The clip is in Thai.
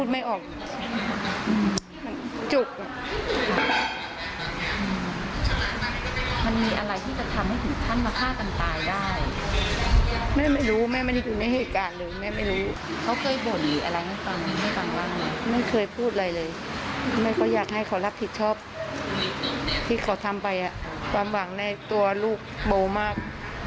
ไม่เคยพูดอะไรเลยแม่ก็อยากให้เขารับผิดชอบที่เขาทำไปความหวังในตัวลูกเบามาก